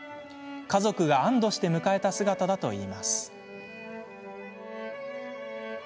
家族が安どして迎えた姿だといいます。